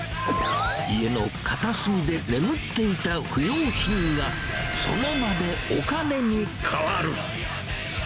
家の片隅で眠っていた不用品が、その場でお金に換わる。